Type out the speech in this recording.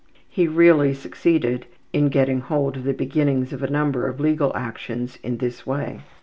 He really succeeded in getting hold of the beginnings of a number of legal actions in this way.